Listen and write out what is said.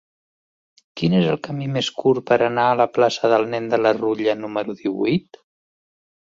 Quin és el camí més curt per anar a la plaça del Nen de la Rutlla número divuit?